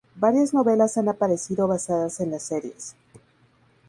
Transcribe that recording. Varias novelas han aparecido basadas en las series.